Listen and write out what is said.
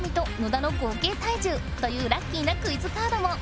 ラッキーなクイズカードも。